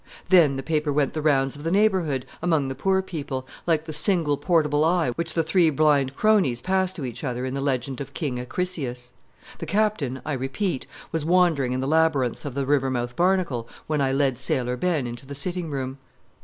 Then the paper went the rounds of the neighborhood, among the poor people, like the single portable eye which the three blind crones passed to each other in the legend of King Acrisius. The Captain, I repeat, was wandering in the labyrinths of the Rivermouth Barnacle when I led Sailor Ben into the sitting room.